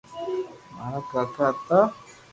مارا ڪاڪا ھتا